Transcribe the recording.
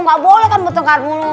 nggak boleh kan bertukar mulu